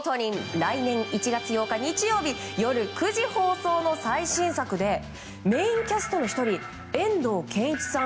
来年１月８日、夜９時放送の最新作で、メインキャストの１人遠藤憲一さん